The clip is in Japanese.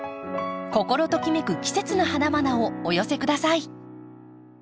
心ときめく季節の花々をお寄せください。